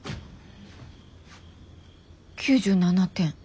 ９７点。